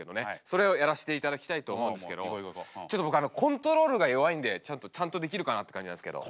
それをやらしていただきたいと思うんですけどもちょっと僕あのコントロールが弱いんでちゃんとできるかなって感じなんですけど。